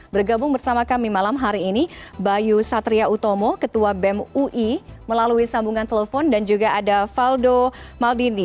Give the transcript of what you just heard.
bergabung bersama kami malam hari ini bayu satria utomo ketua bem ui melalui sambungan telepon dan juga ada faldo maldini